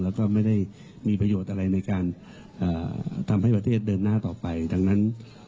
แล้วก็ไม่ได้มีประโยชน์อะไรในการทำให้ประเทศเดินหน้าต่อไปดังนั้น